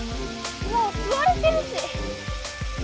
もうすわれてるし！